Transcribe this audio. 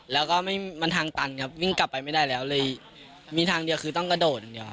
แล้วก็มันทางตันครับวิ่งกลับไปไม่ได้แล้วเลยมีทางเดียวคือต้องกระโดดอย่างเดียวครับ